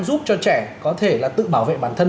giúp cho trẻ có thể là tự bảo vệ bản thân